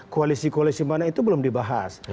koalisi koalisi mana itu belum dibahas